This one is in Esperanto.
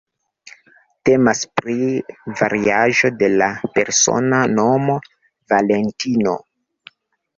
Temas pri variaĵo de la persona nomo "Valentino".